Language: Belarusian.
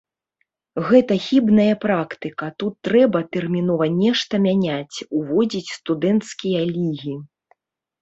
Гэта хібная практыка, тут трэба тэрмінова нешта мяняць, уводзіць студэнцкія лігі.